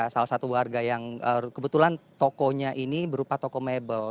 salah satu warga yang kebetulan tokonya ini berupa toko mebel